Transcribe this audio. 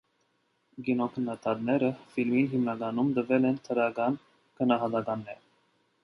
Կինոքննադատները ֆիլմին հիմնականում տվել են դրական գնահատականներ։